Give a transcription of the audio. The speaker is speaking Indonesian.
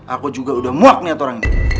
aku juga udah muak niat orang ini